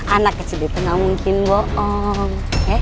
anak kecil itu nggak mungkin bohong